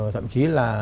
thậm chí là